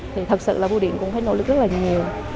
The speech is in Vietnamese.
thì thật sự là bu điện cũng phải nỗ lực rất là nhiều